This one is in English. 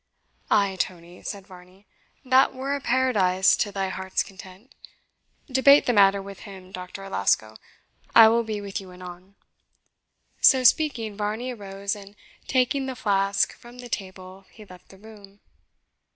"Ay, Tony," said Varney, "that were a paradise to thy heart's content. Debate the matter with him, Doctor Alasco; I will be with you anon." So speaking, Varney arose, and taking the flask from the table, he left the room.